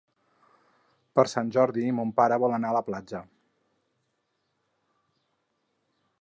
Per Sant Jordi mon pare vol anar a la platja.